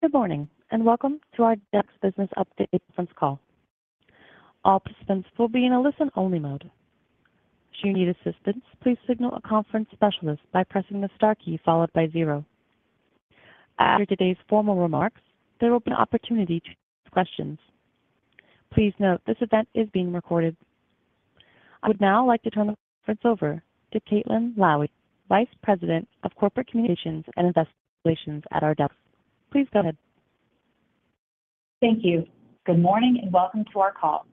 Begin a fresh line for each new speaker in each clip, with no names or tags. Good morning and welcome to our Ardelyx Business Update conference call. All participants will be in a listen-only mode. Should you need assistance, please signal a conference specialist by pressing the star key followed by zero. After today's formal remarks, there will be an opportunity to ask questions. Please note this event is being recorded. I would now like to turn the conference over to Caitlin Lowie, Vice President of Corporate Communications and Investor Relations at Ardelyx. Please go ahead.
Thank you. Good morning and welcome to our call.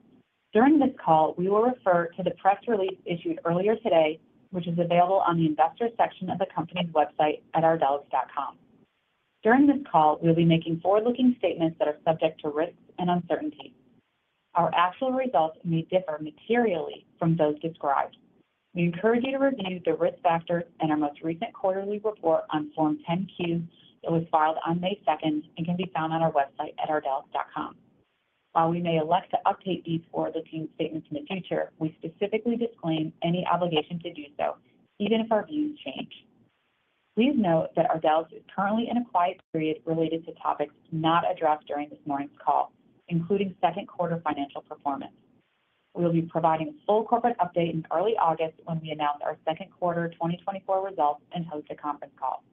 During this call, we will refer to the press release issued earlier today, which is available on the investor section of the company's website at ardelyx.com. During this call, we'll be making forward-looking statements that are subject to risks and uncertainties. Our actual results may differ materially from those described. We encourage you to review the risk factors and our most recent quarterly report on Form 10-Q that was filed on May 2nd and can be found on our website at ardelyx.com. While we may elect to update these forward-looking statements in the future, we specifically disclaim any obligation to do so, even if our views change. Please note that Ardelyx is currently in a quiet period related to topics not addressed during this morning's call, including second-quarter financial performance. We will be providing a full corporate update in early August when we announce our second quarter 2024 results and host a conference call.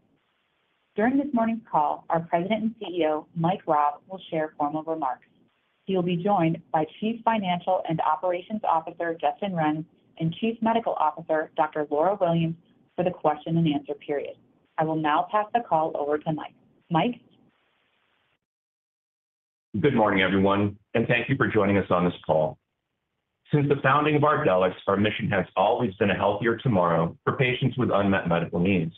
During this morning's call, our President and CEO, Mike Raab, will share formal remarks. He will be joined by Chief Financial and Operations Officer, Justin Renz, and Chief Medical Officer, Dr. Laura Williams, for the question-and-answer period. I will now pass the call over to Mike. Mike.
Good morning, everyone, and thank you for joining us on this call. Since the founding of our Ardelyx, our mission has always been a healthier tomorrow for patients with unmet medical needs.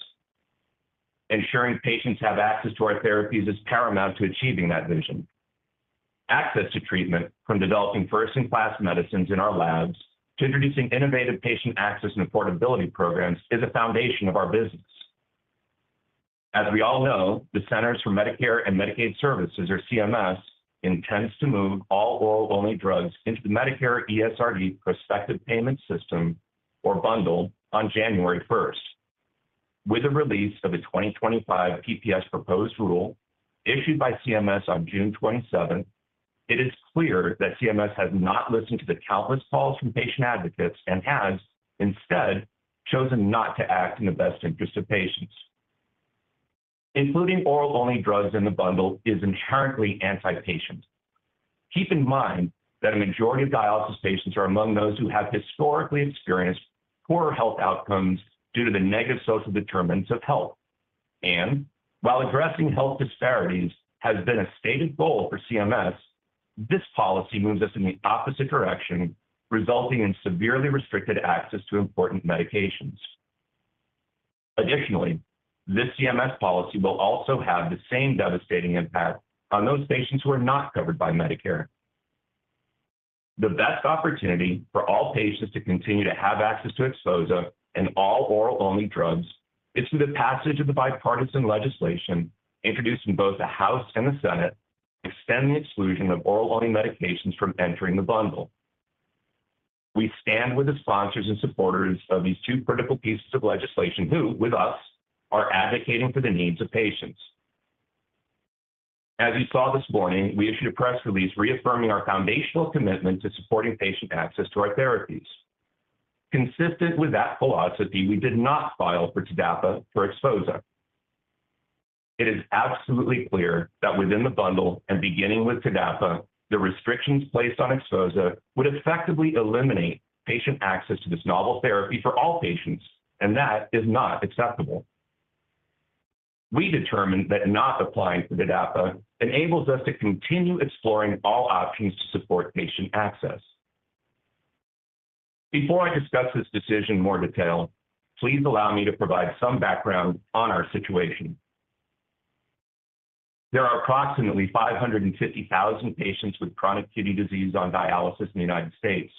Ensuring patients have access to our therapies is paramount to achieving that vision. Access to treatment, from developing first-in-class medicines in our labs to introducing innovative patient access and affordability programs, is a foundation of our business. As we all know, the Centers for Medicare & Medicaid Services, or CMS, intends to move all oral-only drugs into the Medicare ESRD Prospective Payment System, or bundle, on January 1st. With the release of the 2025 PPS proposed rule issued by CMS on June 27th, it is clear that CMS has not listened to the countless calls from patient advocates and has, instead, chosen not to act in the best interest of patients. Including oral-only drugs in the bundle is inherently anti-patient. Keep in mind that a majority of dialysis patients are among those who have historically experienced poor health outcomes due to the negative social determinants of health. While addressing health disparities has been a stated goal for CMS, this policy moves us in the opposite direction, resulting in severely restricted access to important medications. Additionally, this CMS policy will also have the same devastating impact on those patients who are not covered by Medicare. The best opportunity for all patients to continue to have access to XPHOZAH and all oral-only drugs is through the passage of the bipartisan legislation introduced in both the House and the Senate to extend the exclusion of oral-only medications from entering the bundle. We stand with the sponsors and supporters of these two critical pieces of legislation who, with us, are advocating for the needs of patients. As you saw this morning, we issued a press release reaffirming our foundational commitment to supporting patient access to our therapies. Consistent with that philosophy, we did not file for TDAPA for XPHOZAH. It is absolutely clear that within the bundle and beginning with TDAPA, the restrictions placed on XPHOZAH would effectively eliminate patient access to this novel therapy for all patients, and that is not acceptable. We determined that not applying for TDAPA enables us to continue exploring all options to support patient access. Before I discuss this decision in more detail, please allow me to provide some background on our situation. There are approximately 550,000 patients with chronic kidney disease on dialysis in the United States,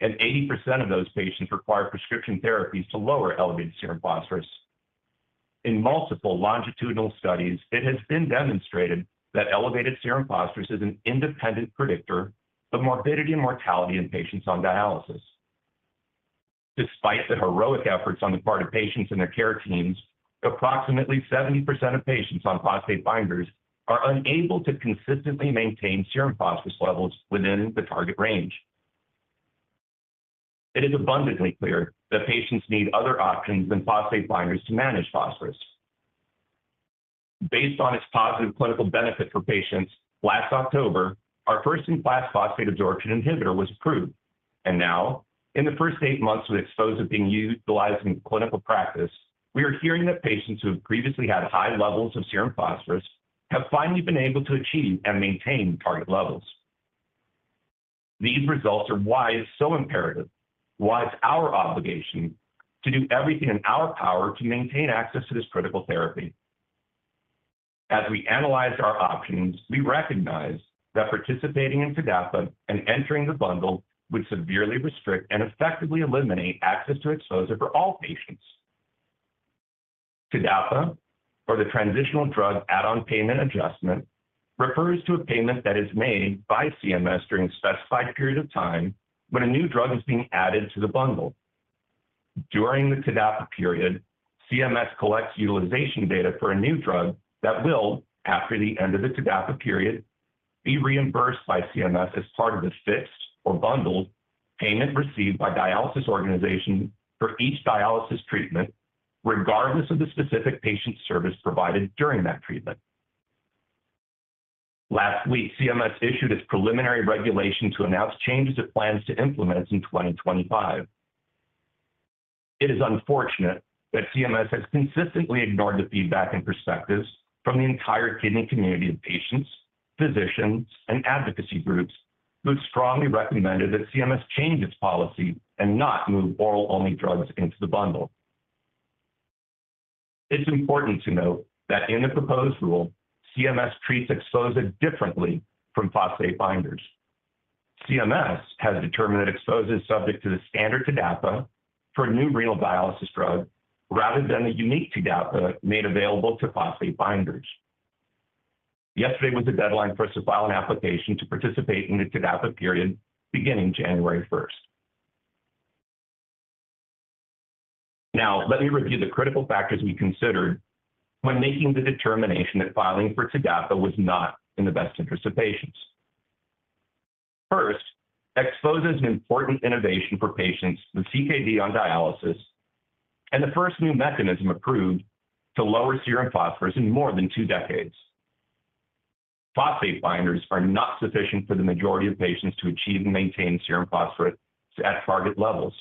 and 80% of those patients require prescription therapies to lower elevated serum phosphorus. In multiple longitudinal studies, it has been demonstrated that elevated serum phosphorus is an independent predictor of morbidity and mortality in patients on dialysis. Despite the heroic efforts on the part of patients and their care teams, approximately 70% of patients on phosphate binders are unable to consistently maintain serum phosphorus levels within the target range. It is abundantly clear that patients need other options than phosphate binders to manage phosphorus. Based on its positive clinical benefit for patients, last October, our first-in-class phosphate absorption inhibitor was approved. And now, in the first eight months with XPHOZAH being utilized in clinical practice, we are hearing that patients who have previously had high levels of serum phosphorus have finally been able to achieve and maintain target levels. These results are why it's so imperative, why it's our obligation to do everything in our power to maintain access to this critical therapy. As we analyze our options, we recognize that participating in TDAPA and entering the bundle would severely restrict and effectively eliminate access to XPHOZAH for all patients. TDAPA, or the Transitional Drug Add-on Payment Adjustment, refers to a payment that is made by CMS during a specified period of time when a new drug is being added to the bundle. During the TDAPA period, CMS collects utilization data for a new drug that will, after the end of the TDAPA period, be reimbursed by CMS as part of the fixed or bundled payment received by dialysis organizations for each dialysis treatment, regardless of the specific patient service provided during that treatment. Last week, CMS issued its preliminary regulation to announce changes it plans to implement in 2025. It is unfortunate that CMS has consistently ignored the feedback and perspectives from the entire kidney community of patients, physicians, and advocacy groups who have strongly recommended that CMS change its policy and not move oral-only drugs into the bundle. It's important to note that in the proposed rule, CMS treats XPHOZAH differently from phosphate binders. CMS has determined that XPHOZAH is subject to the standard TDAPA for a new renal dialysis drug rather than the unique TDAPA made available to phosphate binders. Yesterday was the deadline for us to file an application to participate in the TDAPA period beginning January 1st. Now, let me review the critical factors we considered when making the determination that filing for TDAPA was not in the best interest of patients. First, XPHOZAH is an important innovation for patients with CKD on dialysis, and the first new mechanism approved to lower serum phosphorus in more than two decades. Phosphate binders are not sufficient for the majority of patients to achieve and maintain serum phosphorus at target levels.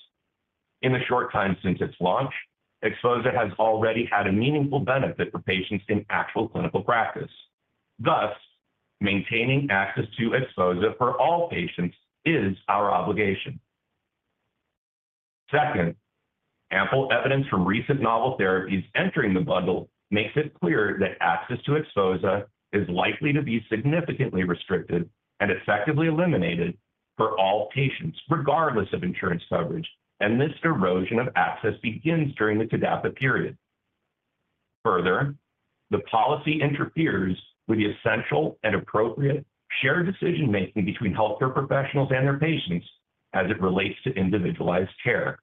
In the short time since its launch, XPHOZAH has already had a meaningful benefit for patients in actual clinical practice. Thus, maintaining access to XPHOZAH for all patients is our obligation. Second, ample evidence from recent novel therapies entering the bundle makes it clear that access to XPHOZAH is likely to be significantly restricted and effectively eliminated for all patients, regardless of insurance coverage, and this erosion of access begins during the TDAPA period. Further, the policy interferes with the essential and appropriate shared decision-making between healthcare professionals and their patients as it relates to individualized care.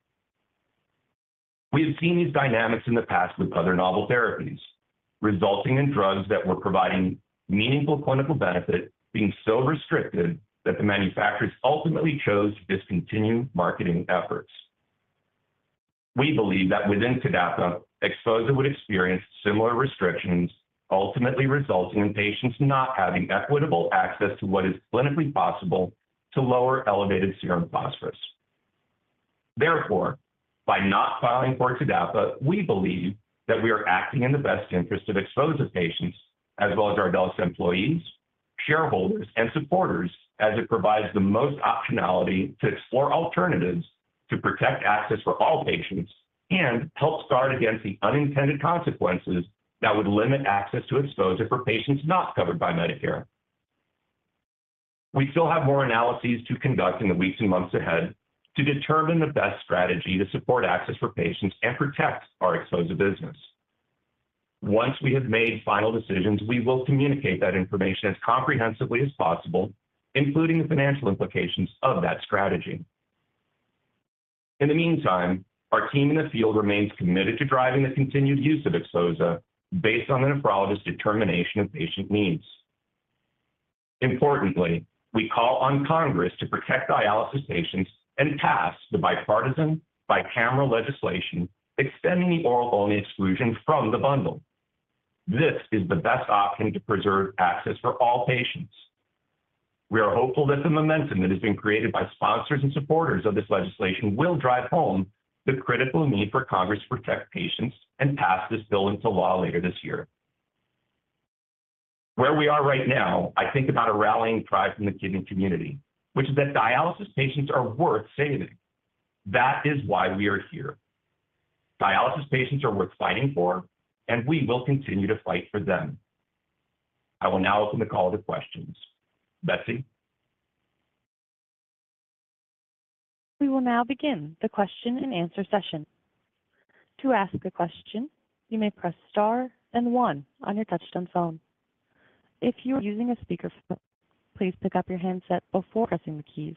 We have seen these dynamics in the past with other novel therapies, resulting in drugs that were providing meaningful clinical benefit being so restricted that the manufacturers ultimately chose to discontinue marketing efforts. We believe that within TDAPA, XPHOZAH would experience similar restrictions, ultimately resulting in patients not having equitable access to what is clinically possible to lower elevated serum phosphorus. Therefore, by not filing for TDAPA, we believe that we are acting in the best interest of XPHOZAH patients as well as our Ardelyx employees, shareholders, and supporters as it provides the most optionality to explore alternatives to protect access for all patients and help guard against the unintended consequences that would limit access to XPHOZAH for patients not covered by Medicare. We still have more analyses to conduct in the weeks and months ahead to determine the best strategy to support access for patients and protect our XPHOZAH business. Once we have made final decisions, we will communicate that information as comprehensively as possible, including the financial implications of that strategy. In the meantime, our team in the field remains committed to driving the continued use of XPHOZAH based on the nephrologist's determination of patient needs. Importantly, we call on Congress to protect dialysis patients and pass the bipartisan, bicameral legislation extending the oral-only exclusion from the bundle. This is the best option to preserve access for all patients. We are hopeful that the momentum that has been created by sponsors and supporters of this legislation will drive home the critical need for Congress to protect patients and pass this bill into law later this year. Where we are right now, I think about a rallying cry from the kidney community, which is that dialysis patients are worth saving. That is why we are here. Dialysis patients are worth fighting for, and we will continue to fight for them. I will now open the call to questions. Betsy.
We will now begin the question-and-answer session. To ask a question, you may press star and one on your touch-tone phone. If you are using a speakerphone, please pick up your handset before pressing the keys.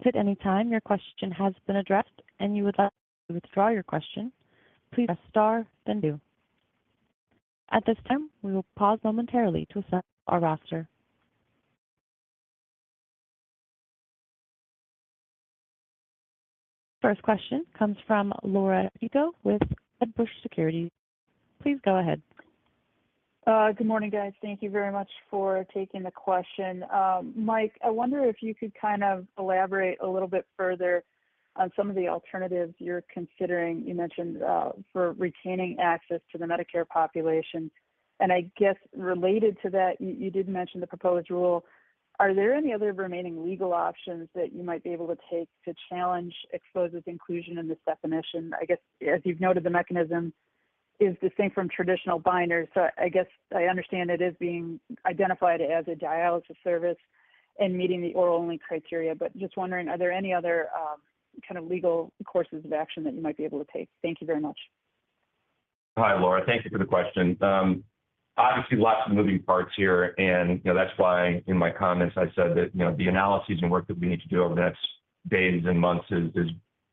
If at any time your question has been addressed and you would like to withdraw your question, please press star then two. At this time, we will pause momentarily to assemble our roster. First question comes from Laura Chico with Wedbush Securities. Please go ahead.
Good morning, guys. Thank you very much for taking the question. Mike, I wonder if you could kind of elaborate a little bit further on some of the alternatives you're considering. You mentioned for retaining access to the Medicare population. And I guess related to that, you did mention the proposed rule. Are there any other remaining legal options that you might be able to take to challenge XPHOZAH's inclusion in this definition? I guess, as you've noted, the mechanism is distinct from traditional binders. So I guess I understand it is being identified as a dialysis service and meeting the oral-only criteria. But just wondering, are there any other kind of legal courses of action that you might be able to take? Thank you very much.
Hi, Laura. Thank you for the question. Obviously, lots of moving parts here, and that's why in my comments I said that the analyses and work that we need to do over the next days and months is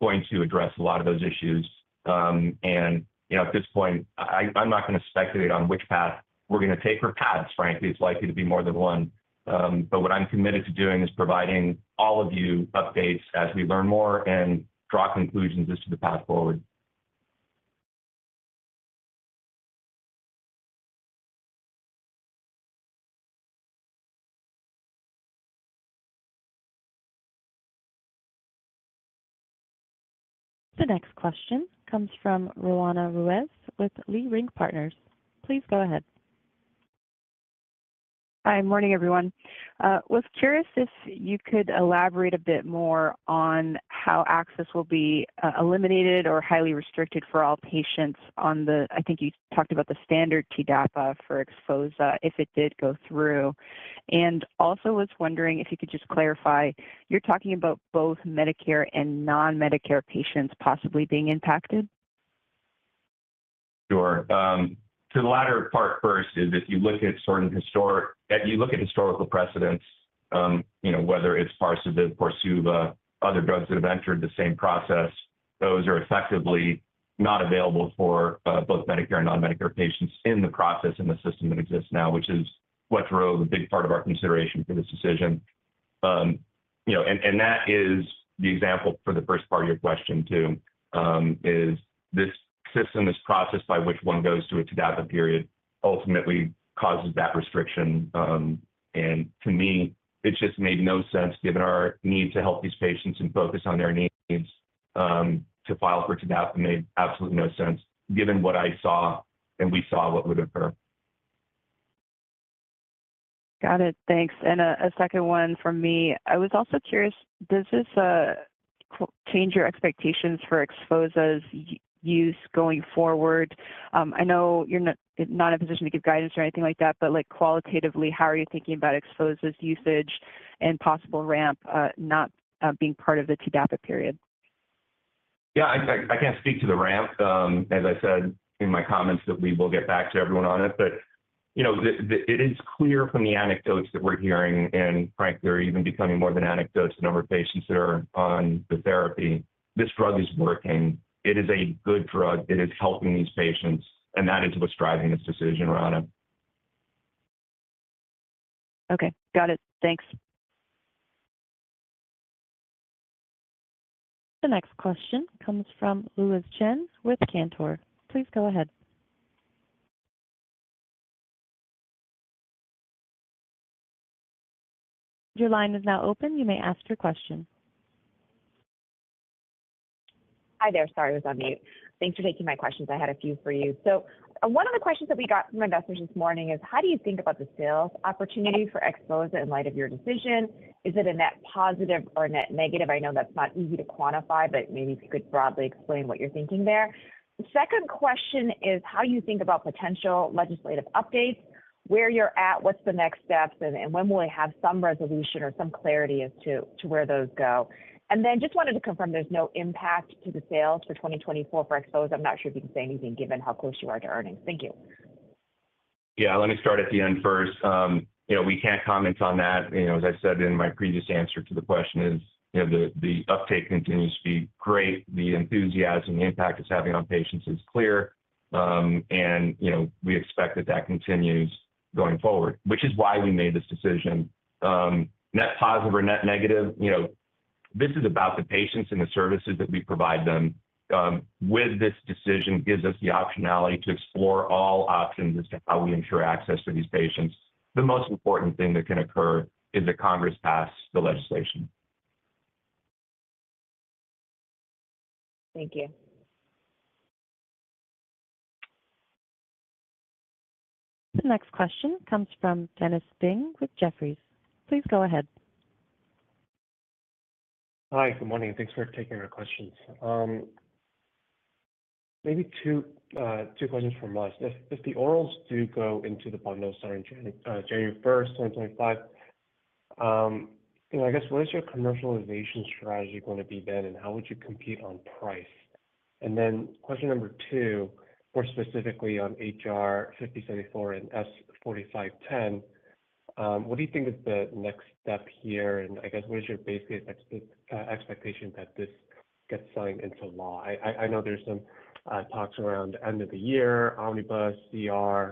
going to address a lot of those issues. At this point, I'm not going to speculate on which path we're going to take or paths, frankly. It's likely to be more than one. But what I'm committed to doing is providing all of you updates as we learn more and draw conclusions as to the path forward.
The next question comes from Roanna Ruiz with Leerink Partners. Please go ahead.
Hi, morning, everyone. I was curious if you could elaborate a bit more on how access will be eliminated or highly restricted for all patients on the—I think you talked about the standard TDAPA for XPHOZAH if it did go through. And also was wondering if you could just clarify, you're talking about both Medicare and non-Medicare patients possibly being impacted?
Sure. To the latter part first, if you look at historical precedents, whether it's KORSUVA, Parsabiv, other drugs that have entered the same process, those are effectively not available for both Medicare and non-Medicare patients in the process and the system that exists now, which is what drove a big part of our consideration for this decision. That is the example for the first part of your question too, is this system, this process by which one goes to a TDAPA period ultimately causes that restriction. To me, it just made no sense given our need to help these patients and focus on their needs to file for TDAPA. It made absolutely no sense given what I saw and we saw what would occur.
Got it. Thanks. And a second one from me. I was also curious, does this change your expectations for XPHOZAH's use going forward? I know you're not in a position to give guidance or anything like that, but qualitatively, how are you thinking about XPHOZAH's usage and possible ramp not being part of the TDAPA period?
Yeah, I can't speak to the ramp, as I said in my comments that we will get back to everyone on it. But it is clear from the anecdotes that we're hearing, and frankly, are even becoming more than anecdotes, the number of patients that are on the therapy. This drug is working. It is a good drug. It is helping these patients, and that is what's driving this decision, Roanna.
Okay. Got it. Thanks.
The next question comes from Louise Chen with Cantor. Please go ahead. Your line is now open. You may ask your question.
Hi there. Sorry, I was on mute. Thanks for taking my questions. I had a few for you. So one of the questions that we got from investors this morning is, how do you think about the sales opportunity for XPHOZAH in light of your decision? Is it a net positive or a net negative? I know that's not easy to quantify, but maybe if you could broadly explain what you're thinking there. Second question is, how do you think about potential legislative updates? Where you're at, what's the next steps, and when will we have some resolution or some clarity as to where those go? And then just wanted to confirm there's no impact to the sales for 2024 for XPHOZAH. I'm not sure if you can say anything given how close you are to earnings. Thank you.
Yeah, let me start at the end first. We can't comment on that. As I said in my previous answer to the question, the uptake continues to be great. The enthusiasm and the impact it's having on patients is clear, and we expect that that continues going forward, which is why we made this decision. Net positive or net negative, this is about the patients and the services that we provide them. With this decision, it gives us the optionality to explore all options as to how we ensure access for these patients. The most important thing that can occur is that Congress pass the legislation.
Thank you.
The next question comes from Dennis Ding with Jefferies. Please go ahead.
Hi, good morning. Thanks for taking our questions. Maybe two questions from us. If the orals do go into the bundle starting January 1st, 2025, I guess, what is your commercialization strategy going to be then, and how would you compete on price? And then question number two, more specifically on H.R. 5074 and S. 4510, what do you think is the next step here? And I guess, what is your basic expectation that this gets signed into law? I know there's some talks around end of the year, Omnibus, CR,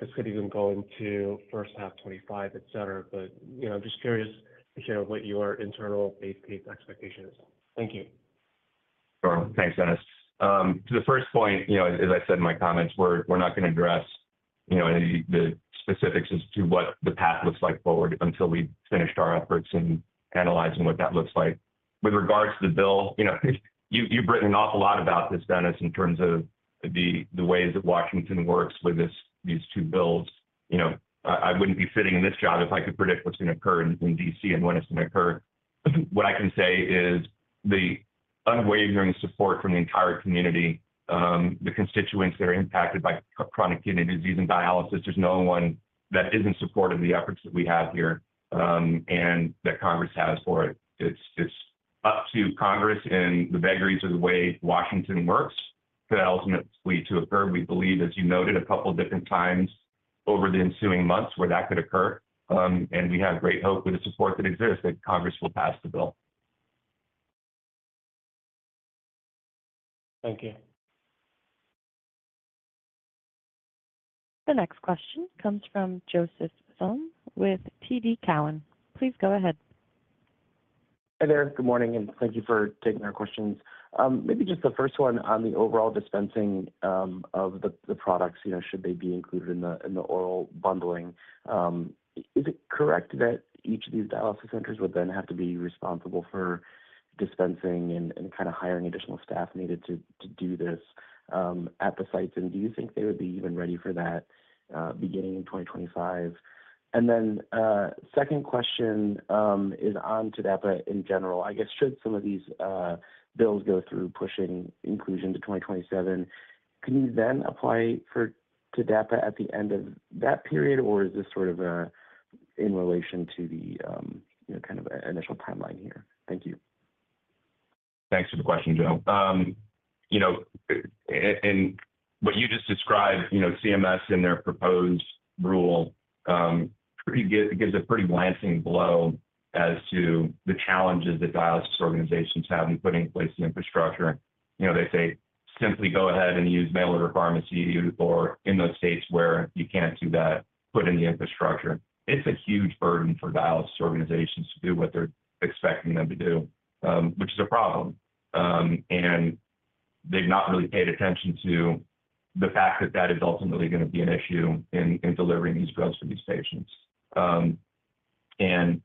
this could even go into first half 2025, etc. But I'm just curious to hear what your internal base case expectation is. Thank you.
Sure. Thanks, Dennis. To the first point, as I said in my comments, we're not going to address the specifics as to what the path looks like forward until we've finished our efforts in analyzing what that looks like. With regards to the bill, you've written an awful lot about this, Dennis, in terms of the ways that Washington works with these two bills. I wouldn't be sitting in this job if I could predict what's going to occur in D.C. and when it's going to occur. What I can say is the unwavering support from the entire community, the constituents that are impacted by chronic kidney disease and dialysis. There's no one that isn't supporting the efforts that we have here and that Congress has for it. It's up to Congress and the vagaries of the way Washington works for that ultimately to occur. We believe, as you noted a couple of different times over the ensuing months where that could occur. We have great hope with the support that exists that Congress will pass the bill.
Thank you.
The next question comes from Joseph Thome with TD Cowen. Please go ahead.
Hi there. Good morning, and thank you for taking our questions. Maybe just the first one on the overall dispensing of the products, should they be included in the oral bundling? Is it correct that each of these dialysis centers would then have to be responsible for dispensing and kind of hiring additional staff needed to do this at the sites? And do you think they would be even ready for that beginning in 2025? And then second question is on TDAPA in general. I guess, should some of these bills go through pushing inclusion to 2027, can you then apply for TDAPA at the end of that period, or is this sort of in relation to the kind of initial timeline here? Thank you.
Thanks for the question, Joe. What you just described, CMS and their proposed rule gives a pretty glancing blow as to the challenges that dialysis organizations have in putting in place the infrastructure. They say, "Simply go ahead and use mail-order pharmacy," or in those states where you can't do that, "Put in the infrastructure." It's a huge burden for dialysis organizations to do what they're expecting them to do, which is a problem. They've not really paid attention to the fact that that is ultimately going to be an issue in delivering these drugs for these patients. And,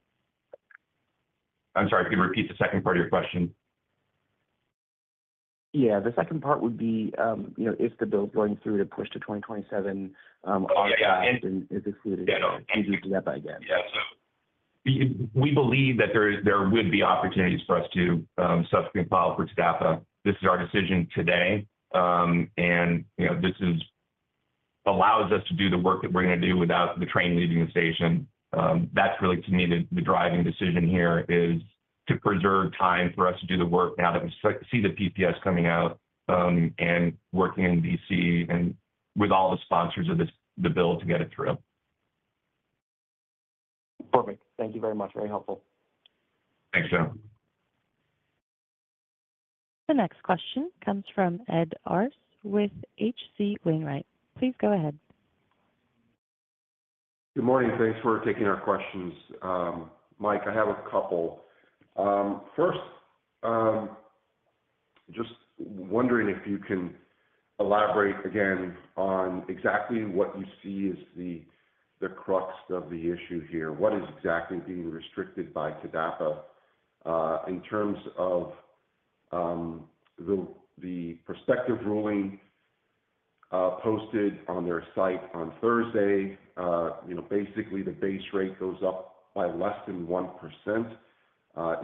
I'm sorry, could you repeat the second part of your question?
Yeah. The second part would be, if the bill's going through to push to 2027, are they. And is excluded from using TDAPA again.
Yeah. So we believe that there would be opportunities for us to subsequently file for TDAPA. This is our decision today, and this allows us to do the work that we're going to do without the train leaving the station. That's really, to me, the driving decision here is to preserve time for us to do the work now that we see the PPS coming out and working in D.C. and with all the sponsors of the bill to get it through.
Perfect. Thank you very much. Very helpful.
Thanks, Joe.
The next question comes from Ed Arce with H.C. Wainwright. Please go ahead.
Good morning. Thanks for taking our questions. Mike, I have a couple. First, just wondering if you can elaborate again on exactly what you see as the crux of the issue here. What is exactly being restricted by TDAPA in terms of the prospective ruling posted on their site on Thursday? Basically, the base rate goes up by less than 1%.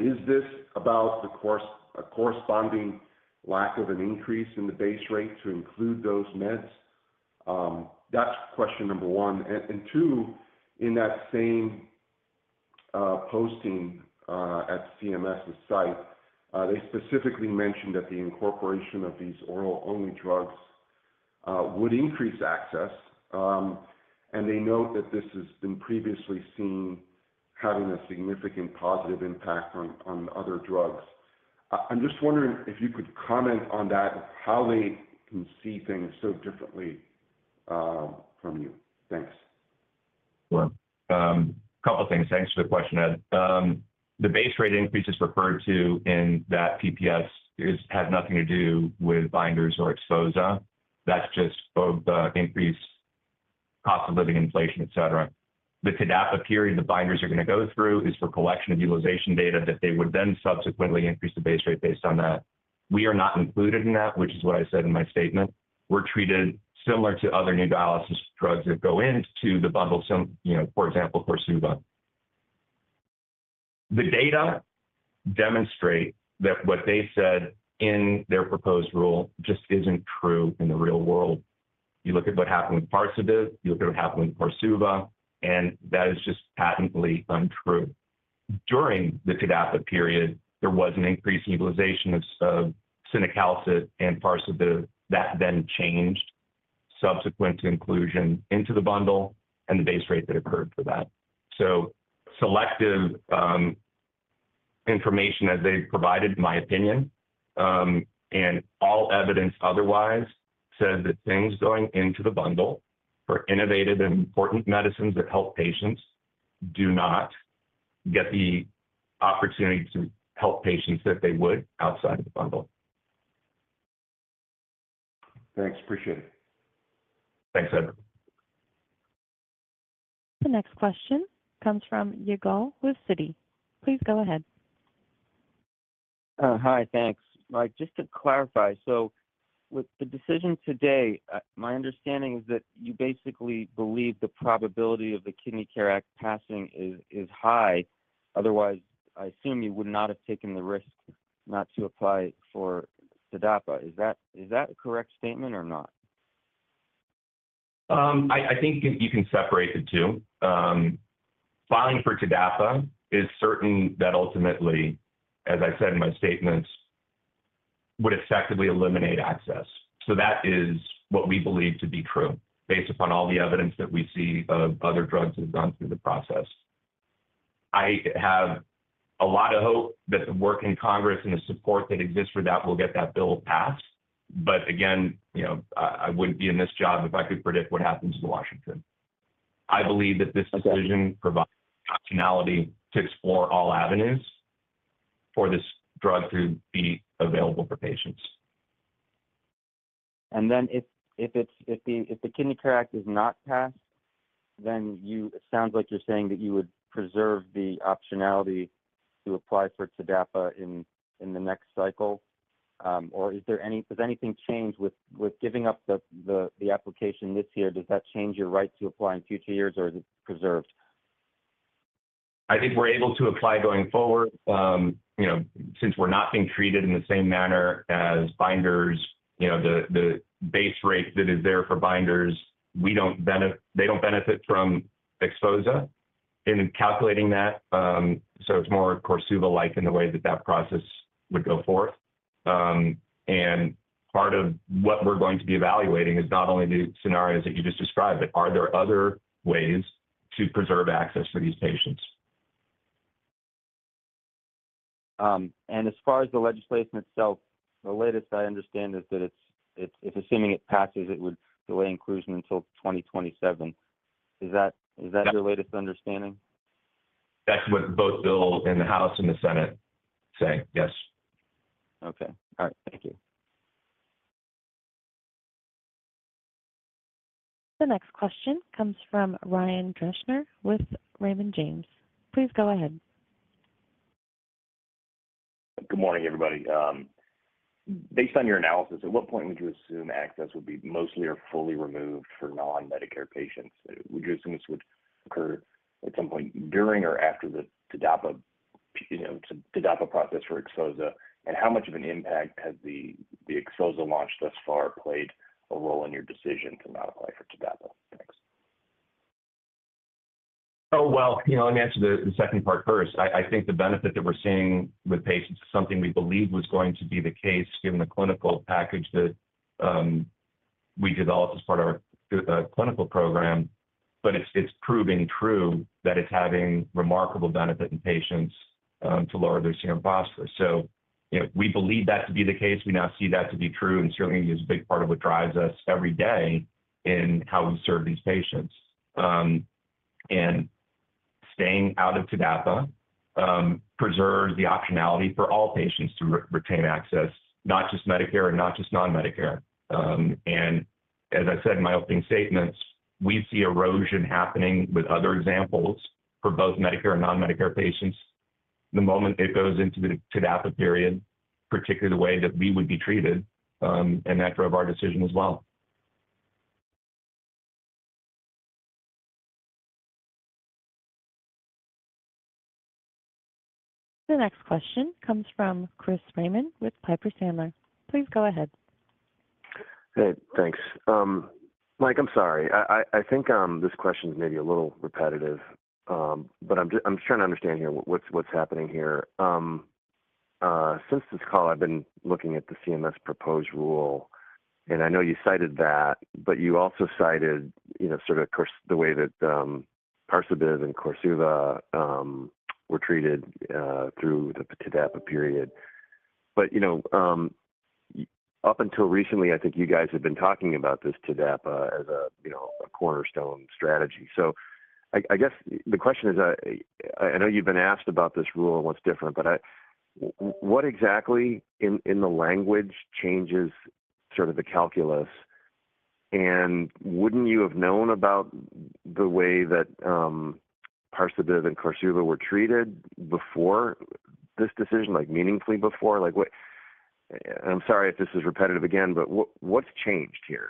Is this about the corresponding lack of an increase in the base rate to include those meds? That's question number one. And two, in that same posting at CMS's site, they specifically mentioned that the incorporation of these oral-only drugs would increase access. And they note that this has been previously seen having a significant positive impact on other drugs. I'm just wondering if you could comment on that, how they can see things so differently from you. Thanks.
Well, a couple of things. Thanks for the question, Ed. The base rate increase referred to in that PPS has nothing to do with binders or XPHOZAH. That's just increased cost of living, inflation, etc. The TDAPA period the binders are going to go through is for collection of utilization data that they would then subsequently increase the base rate based on that. We are not included in that, which is what I said in my statement. We're treated similar to other new dialysis drugs that go into the bundle, for example, KORSUVA. The data demonstrate that what they said in their proposed rule just isn't true in the real world. You look at what happened with Parsabiv. You look at what happened with KORSUVA, and that is just patently untrue. During the TDAPA period, there was an increase in utilization of cinacalcet and Parsabiv. That then changed subsequent to inclusion into the bundle and the base rate that occurred for that. So, selective information, as they provided my opinion, and all evidence otherwise says that things going into the bundle for innovative and important medicines that help patients do not get the opportunity to help patients that they would outside of the bundle.
Thanks. Appreciate it.
Thanks, Ed.
The next question comes from Yigal with Citi. Please go ahead.
Hi, thanks. Mike, just to clarify, so with the decision today, my understanding is that you basically believe the probability of the Kidney Care Act passing is high. Otherwise, I assume you would not have taken the risk not to apply for TDAPA. Is that a correct statement or not?
I think you can separate the two. Filing for TDAPA is certain that ultimately, as I said in my statements, would effectively eliminate access. So that is what we believe to be true based upon all the evidence that we see of other drugs that have gone through the process. I have a lot of hope that the work in Congress and the support that exists for that will get that bill passed. But again, I wouldn't be in this job if I could predict what happens in Washington. I believe that this decision provides optionality to explore all avenues for this drug to be available for patients.
And then if the Kidney Care Act is not passed, then it sounds like you're saying that you would preserve the optionality to apply for TDAPA in the next cycle. Or is anything changed with giving up the application this year? Does that change your right to apply in future years, or is it preserved?
I think we're able to apply going forward. Since we're not being treated in the same manner as binders, the base rate that is there for binders, they don't benefit from XPHOZAH in calculating that. So it's more Parsabiv-like in the way that that process would go forth. And part of what we're going to be evaluating is not only the scenarios that you just described, but are there other ways to preserve access for these patients?
As far as the legislation itself, the latest I understand is that if assuming it passes, it would delay inclusion until 2027. Is that your latest understanding?
That's what both bills in the House and the Senate say. Yes.
Okay. All right. Thank you.
The next question comes from Ryan Deschner with Raymond James. Please go ahead.
Good morning, everybody. Based on your analysis, at what point would you assume access would be mostly or fully removed for non-Medicare patients? Would you assume this would occur at some point during or after the TDAPA process for XPHOZAH? And how much of an impact has the XPHOZAH launch thus far played a role in your decision to not apply for TDAPA? Thanks.
Oh, well, let me answer the second part first. I think the benefit that we're seeing with patients is something we believed was going to be the case given the clinical package that we developed as part of our clinical program. But it's proving true that it's having remarkable benefit in patients to lower their serum phosphorus. So we believe that to be the case. We now see that to be true and certainly is a big part of what drives us every day in how we serve these patients. And staying out of TDAPA preserves the optionality for all patients to retain access, not just Medicare and not just non-Medicare. And as I said in my opening statements, we see erosion happening with other examples for both Medicare and non-Medicare patients. The moment it goes into the TDAPA period, particularly the way that we would be treated, and that drove our decision as well.
The next question comes from Chris Raymond with Piper Sandler. Please go ahead.
Hey. Thanks. Mike, I'm sorry. I think this question is maybe a little repetitive, but I'm just trying to understand here what's happening here. Since this call, I've been looking at the CMS proposed rule, and I know you cited that, but you also cited sort of the way that Parsabiv and KORSUVA were treated through the TDAPA period. But up until recently, I think you guys have been talking about this TDAPA as a cornerstone strategy. So I guess the question is, I know you've been asked about this rule and what's different, but what exactly in the language changes sort of the calculus? And wouldn't you have known about the way that Parsabiv and KORSUVA were treated before this decision, meaningfully before? And I'm sorry if this is repetitive again, but what's changed here?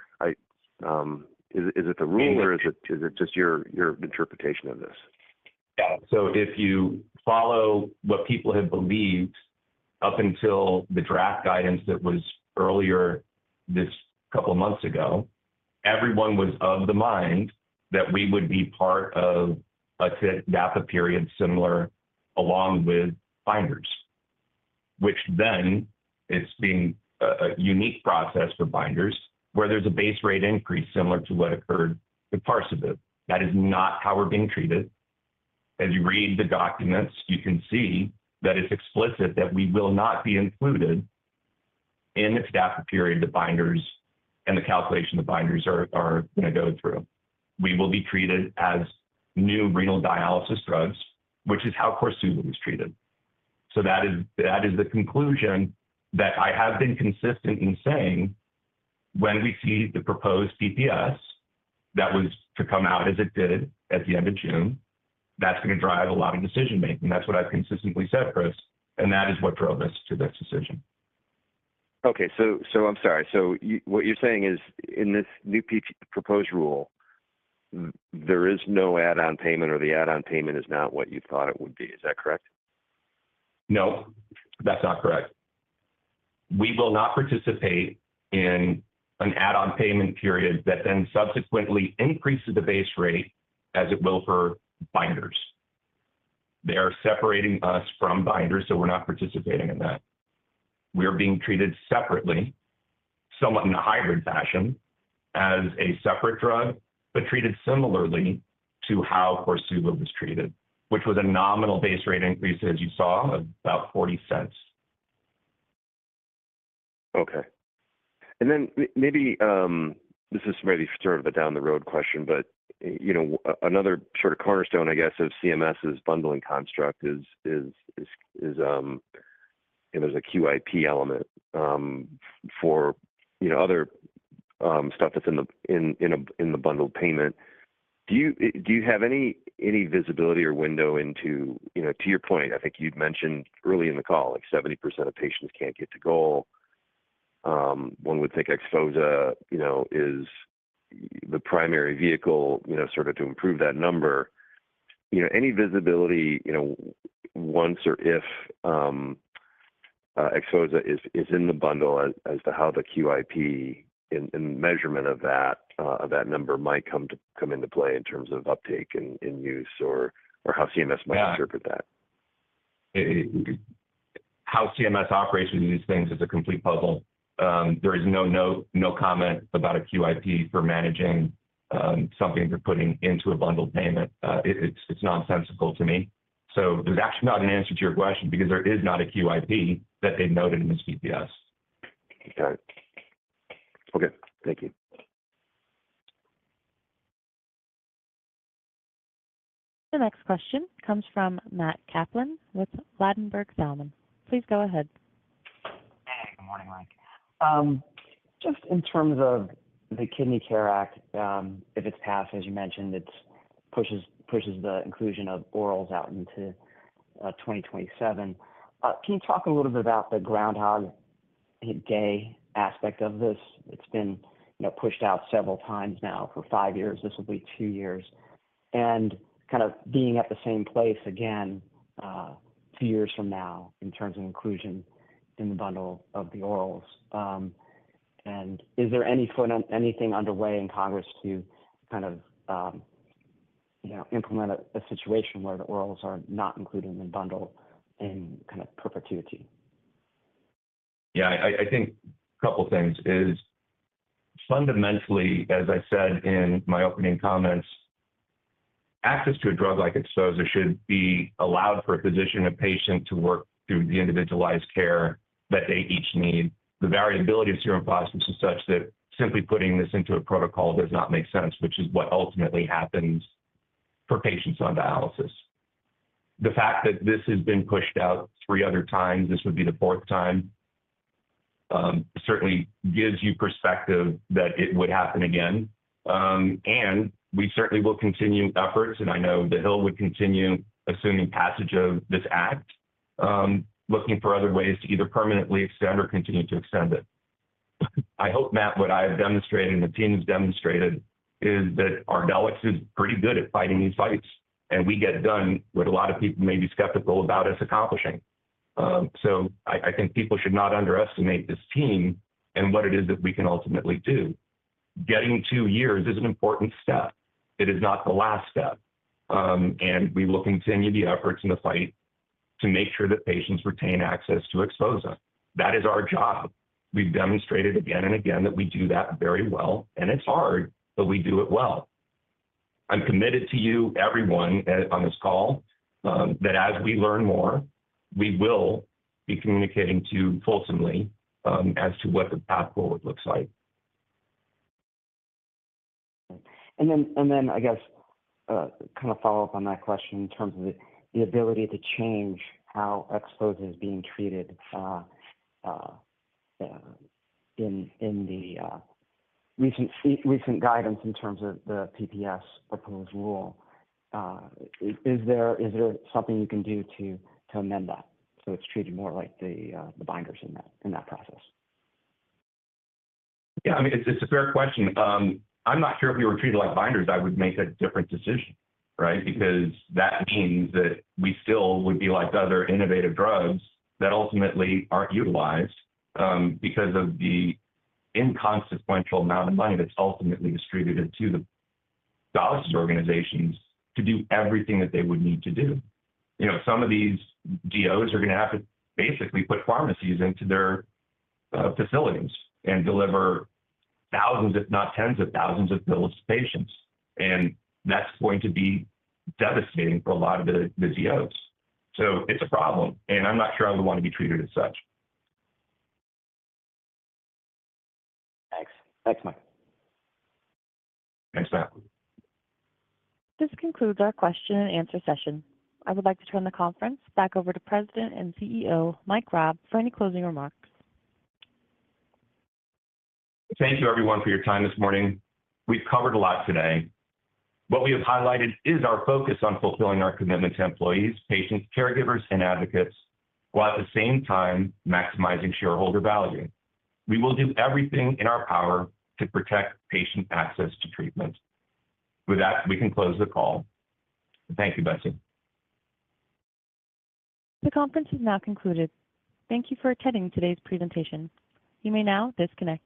Is it the rule, or is it just your interpretation of this?
Yeah. So if you follow what people have believed up until the draft guidance that was earlier this couple of months ago, everyone was of the mind that we would be part of a TDAPA period similar along with binders, which then it's been a unique process for binders where there's a base rate increase similar to what occurred with Parsabiv. That is not how we're being treated. As you read the documents, you can see that it's explicit that we will not be included in the TDAPA period. The binders and the calculation of the binders are going to go through. We will be treated as new renal dialysis drugs, which is how KORSUVA was treated. That is the conclusion that I have been consistent in saying when we see the proposed PPS that was to come out as it did at the end of June, that's going to drive a lot of decision-making. That's what I've consistently said, Chris, and that is what drove us to this decision.
Okay. So I'm sorry. So what you're saying is in this new proposed rule, there is no add-on payment, or the add-on payment is not what you thought it would be. Is that correct?
No, that's not correct. We will not participate in an add-on payment period that then subsequently increases the base rate as it will for binders. They are separating us from binders, so we're not participating in that. We are being treated separately, somewhat in a hybrid fashion, as a separate drug, but treated similarly to how KORSUVA was treated, which was a nominal base rate increase, as you saw, of about $0.40.
Okay. And then maybe this is sort of a down-the-road question, but another sort of cornerstone, I guess, of CMS's bundling construct is there's a QIP element for other stuff that's in the bundled payment. Do you have any visibility or window into to your point, I think you'd mentioned early in the call, like 70% of patients can't get to goal. One would think XPHOZAH is the primary vehicle sort of to improve that number. Any visibility once or if XPHOZAH is in the bundle as to how the QIP and measurement of that number might come into play in terms of uptake and use or how CMS might interpret that?
How CMS operates with these things is a complete puzzle. There is no note, no comment about a QIP for managing something they're putting into a bundled payment. It's nonsensical to me. So there's actually not an answer to your question because there is not a QIP that they've noted in this PPS.
Okay. Okay. Thank you.
The next question comes from Matt Kaplan with Ladenburg Thalmann. Please go ahead.
Hey. Good morning, Mike. Just in terms of the Kidney Care Act, if it's passed, as you mentioned, it pushes the inclusion of orals out into 2027. Can you talk a little bit about the Groundhog Day aspect of this? It's been pushed out several times now for five years. This will be two years. And kind of being at the same place again two years from now in terms of inclusion in the bundle of the orals. And is there anything underway in Congress to kind of implement a situation where the orals are not included in the bundle in kind of perpetuity?
Yeah. I think a couple of things is fundamentally, as I said in my opening comments, access to a drug like XPHOZAH should be allowed for a physician or patient to work through the individualized care that they each need. The variability of serum phosphorus is such that simply putting this into a protocol does not make sense, which is what ultimately happens for patients on dialysis. The fact that this has been pushed out three other times—this would be the fourth time—certainly gives you perspective that it would happen again. And we certainly will continue efforts, and I know the Hill would continue assuming passage of this act, looking for other ways to either permanently extend or continue to extend it. I hope, Matt, what I have demonstrated and the team has demonstrated is that our Ardelyx is pretty good at fighting these fights, and we get done what a lot of people may be skeptical about us accomplishing. So I think people should not underestimate this team and what it is that we can ultimately do. Getting two years is an important step. It is not the last step. And we will continue the efforts in the fight to make sure that patients retain access to XPHOZAH. That is our job. We've demonstrated again and again that we do that very well, and it's hard, but we do it well. I'm committed to you, everyone on this call, that as we learn more, we will be communicating to you fulsomely as to what the path forward looks like.
Then I guess kind of follow up on that question in terms of the ability to change how XPHOZAH is being treated in the recent guidance in terms of the PPS proposed rule. Is there something you can do to amend that so it's treated more like the binders in that process?
Yeah. I mean, it's a fair question. I'm not sure if we were treated like binders. I would make a different decision, right? Because that means that we still would be like other innovative drugs that ultimately aren't utilized because of the inconsequential amount of money that's ultimately distributed to the dialysis organizations to do everything that they would need to do. Some of these DOs are going to have to basically put pharmacies into their facilities and deliver thousands, if not tens of thousands of bills to patients. And that's going to be devastating for a lot of the DOs. So it's a problem, and I'm not sure I would want to be treated as such. Thanks. Thanks, Mike. Thanks, Matt.
This concludes our question-and-answer session. I would like to turn the conference back over to President and CEO Mike Raab for any closing remarks.
Thank you, everyone, for your time this morning. We've covered a lot today. What we have highlighted is our focus on fulfilling our commitment to employees, patients, caregivers, and advocates while at the same time maximizing shareholder value. We will do everything in our power to protect patient access to treatment. With that, we can close the call. Thank you, Betsy.
The conference is now concluded. Thank you for attending today's presentation. You may now disconnect.